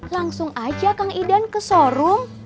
langsung aja kang idan ke sorroom